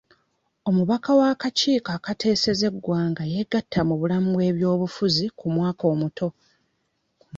Omubaka w'akakiiko akateeseza eggwanga yegatta mu bulamu bw'ebyobufuzi ku mwaka omuto.